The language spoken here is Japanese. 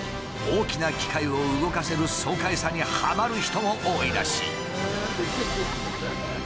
大きな機械を動かせる爽快さにはまる人も多いらしい。